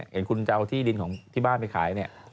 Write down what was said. อย่างคุณจะเอาที่ดินที่บ้านไปขาย